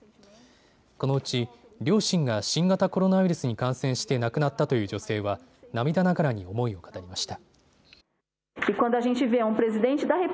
このうち、両親が新型コロナウイルスに感染して亡くなったという女性は涙ながらに思いを語りました。